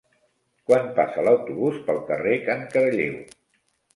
Quan passa l'autobús pel carrer Can Caralleu?